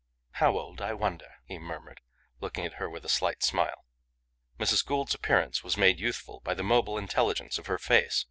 "How old, I wonder," he murmured, looking at her with a slight smile. Mrs. Gould's appearance was made youthful by the mobile intelligence of her face.